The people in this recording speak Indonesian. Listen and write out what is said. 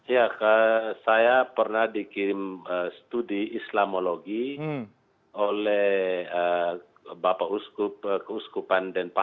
ya saya pernah dikirim studi islamologi oleh bapak uskupan dan paku